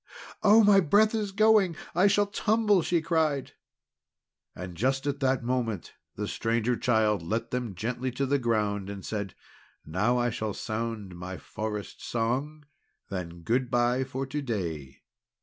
"Oh, my breath is going! I shall tumble!" she cried. And just at that moment the Stranger Child let them down gently to the ground, and said: "Now I shall sound my Forest Song. Then good bye for to day."